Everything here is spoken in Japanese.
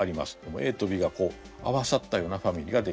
ＡとＢが合わさったようなファミリーが出来てる。